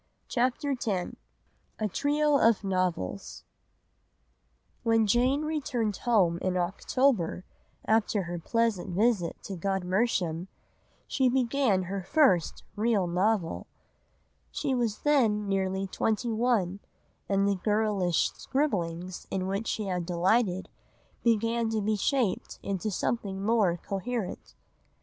CHAPTER X A TRIO OF NOVELS When Jane returned home in October, after her pleasant visit to Godmersham, she began her first real novel. She was then nearly twenty one, and the girlish scribblings in which she had delighted began to be shaped into something more coherent.